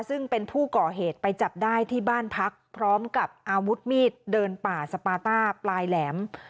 ซึ่งเป็นผู้ก่อเหตุไปจับได้ที่บ้านพักพร้อมกับอาวุธมีดเดินป่าสปาต้าปลายแหลม